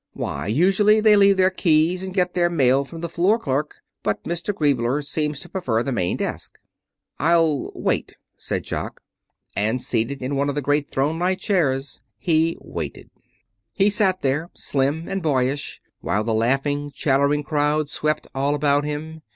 "Why, usually they leave their keys and get their mail from the floor clerk. But Mr. Griebler seems to prefer the main desk." "I'll wait," said Jock. And seated in one of the great thronelike chairs, he waited. He sat there, slim and boyish, while the laughing, chattering crowd swept all about him.